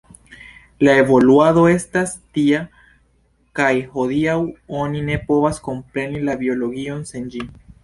La evoluado estas tia kaj hodiaŭ oni ne povas kompreni la biologion sen ĝi.